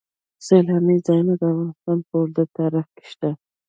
سیلاني ځایونه د افغانستان په اوږده تاریخ کې شته.